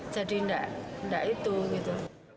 jadi nggak itu gitu